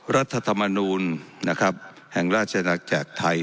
รัฐธรรมนูลนะครับแห่งราชนักษ์จากไทย